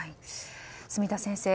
住田先生